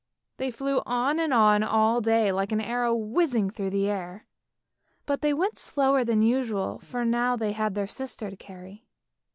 They flew on and on all day like an arrow whizzing through the air, but they went slower than usual, for now they had their sister to carry.